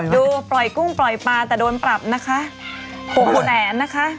ดูปล่อยกุ้งปล่อยปลาแต่โดนปรับนะคะ